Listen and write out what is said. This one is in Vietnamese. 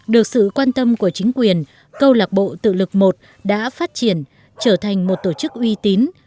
được sự quan tâm của chính quyền câu lạc bộ tự lực i đã phát triển trở thành một tổ chức uy tín